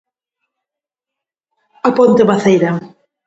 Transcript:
A ponte [non claro].